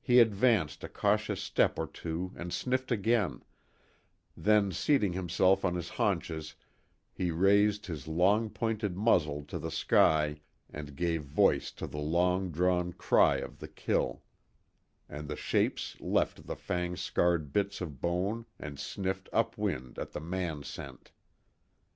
He advanced a cautious step or two and sniffed again, then seating himself on his haunches he raised his long pointed muzzle to the sky and gave voice to the long drawn cry of the kill and the shapes left the fang scarred bits of bone and sniffed up wind at the man scent.